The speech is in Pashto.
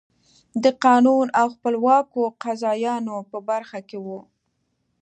د قانون او خپلواکو قاضیانو په برخو کې وو.